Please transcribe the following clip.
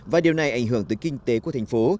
và điều này ảnh hưởng tới kinh tế của thành phố